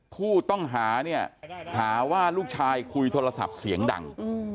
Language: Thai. ผู้ต้องหาเนี่ยหาว่าลูกชายคุยโทรศัพท์เสียงดัง